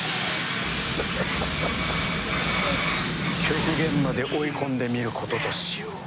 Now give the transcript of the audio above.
極限まで追い込んでみることとしよう。